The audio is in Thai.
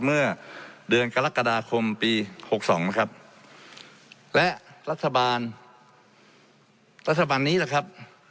เมื่อเดือนกรกฎาคมปีหกสองนะครับและรัฐบาลรัฐบาลนี้แหละครับ